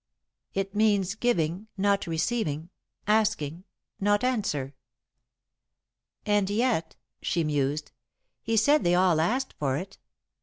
It means giving, not receiving; asking, not answer." "And yet," she mused, "he said they all asked for it.